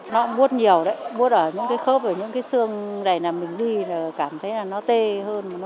nó bút nhiều đấy bút ở những cái khớp ở những cái xương này là mình đi là cảm thấy là nó tê hơn nó bút hơn